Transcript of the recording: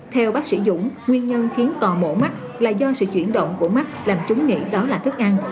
theo bác sĩ dũng nguyên nhân khiến tòa mổ mắt là do sự chuyển động của mắt làm chúng nghĩ đó là thức ăn